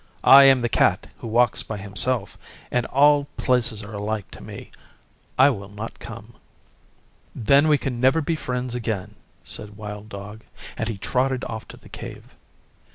'I am the Cat who walks by himself, and all places are alike to me. I will not come.' 'Then we can never be friends again,' said Wild Dog, and he trotted off to the Cave.